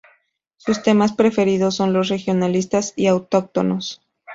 Sus temas preferidos son los regionalistas y autóctonos.